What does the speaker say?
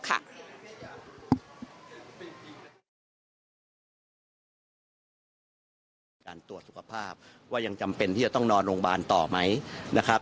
ก็ต้องรอการตรวจสุขภาพว่ายังจำเป็นที่จะต้องนอนโรงพยาบาลต่อไหมนะครับ